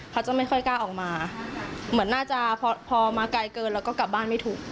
เขาจะไม่ค่อยกล้าออกมาเหมือนน่าจะพอมาไกลเกินแล้วก็กลับบ้านไม่ถูก